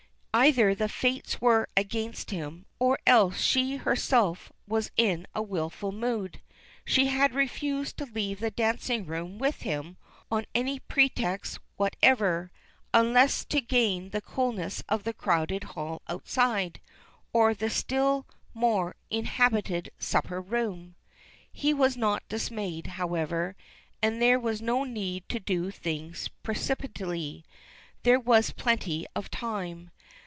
Either the fates were against him, or else she herself was in a willful mood. She had refused to leave the dancing room with him on any pretext whatever, unless to gain the coolness of the crowded hall outside, or the still more inhabited supper room. He was not dismayed, however, and there was no need to do things precipitately. There was plenty of time.